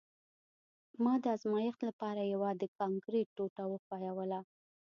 ما د ازمایښت لپاره یوه د کانکریټ ټوټه وښویوله